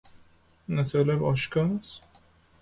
مطلب اشکاراست